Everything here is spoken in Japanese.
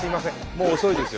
もう遅いですよ。